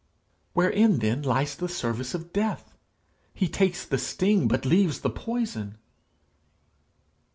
'Wherein then lies the service of Death? He takes the sting, but leaves the poison!'